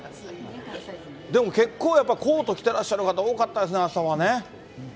でも結構、やっぱりコート着てらっしゃる方、多かったですね、朝はね。